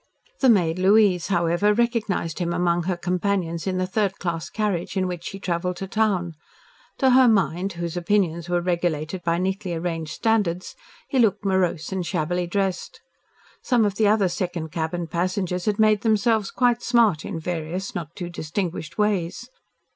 The maid, Louise, however, recognised him among her companions in the third class carriage in which she travelled to town. To her mind, whose opinions were regulated by neatly arranged standards, he looked morose and shabbily dressed. Some of the other second cabin passengers had made themselves quite smart in various, not too distinguished ways.